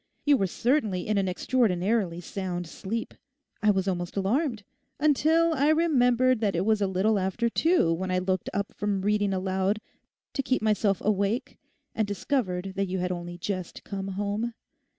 You were certainly in an extraordinarily sound sleep. I was almost alarmed; until I remembered that it was a little after two when I looked up from reading aloud to keep myself awake and discovered that you had only just come home.